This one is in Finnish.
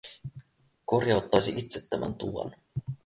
Korjauttaisi itse tämän tuvan.